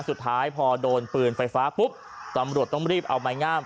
สุดท้ายพอโดนปืนไฟฟ้าปุ๊บตำรวจต้องรีบเอาไม้งาม